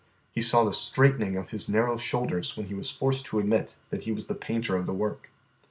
He saw the straightening of his narrow shoulders when he was forced to admit that he was the painter of the work.